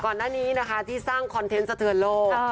ก่อนหน้านี้นะคะที่สร้างคอนเทนต์สะเทือนโลก